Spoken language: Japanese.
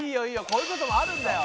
こういうこともあるんだよ。